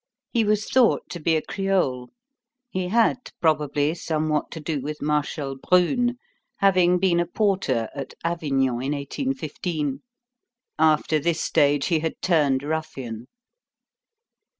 He was thought to be a creole. He had, probably, somewhat to do with Marshal Brune, having been a porter at Avignon in 1815. After this stage, he had turned ruffian.